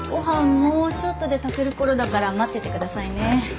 もうちょっとで炊ける頃だから待ってて下さいね。